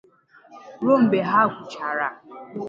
ruo mgbe ha gwụchara.